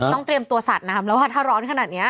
เตรียมตัวสาดน้ำแล้วว่าถ้าร้อนขนาดนี้